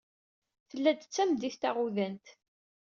Tella-d d tameddit taɣudant.